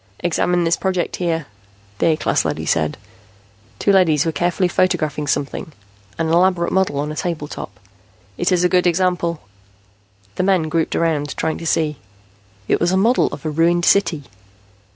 "Examine this project here," the A class leady said. Two leadys were carefully photographing something, an elaborate model on a table top. "It is a good example." The men grouped around, trying to see. It was a model of a ruined city.